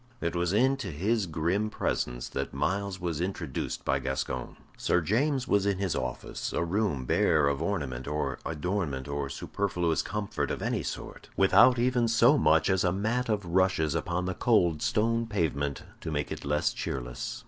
It was into his grim presence that Myles was introduced by Gascoyne. Sir James was in his office, a room bare of ornament or adornment or superfluous comfort of any sort without even so much as a mat of rushes upon the cold stone pavement to make it less cheerless.